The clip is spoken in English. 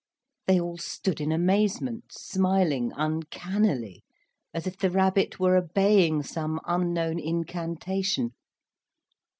They all stood in amazement, smiling uncannily, as if the rabbit were obeying some unknown incantation.